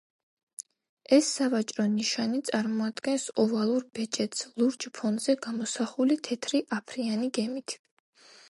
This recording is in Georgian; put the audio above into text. ეს სავაჭრო ნიშანი წარმოადგენს ოვალურ ბეჭედს, ლურჯ ფონზე გამოსახული თეთრი აფრიანი გემით.